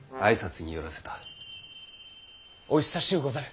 お久しゅうござる。